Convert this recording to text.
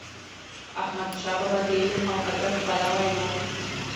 احمد شاه بابا د علم او ادب پلوی و.